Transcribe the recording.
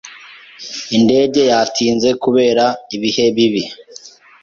Indege yatinze kubera ibihe bibi.